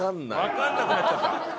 わかんなくなっちゃった。